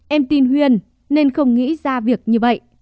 em tin huyên nên không nghĩ ra việc như vậy